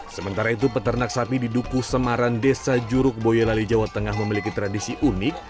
sementara itu peternak sapi di duku samaran desa juruk boyolali jawa tengah memiliki tradisi unik